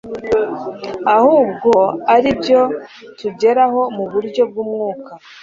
ahubwo ari ibyo tugeraho mu buryo bw'umwuka